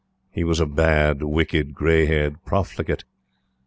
He was a bad, wicked, gray haired profligate.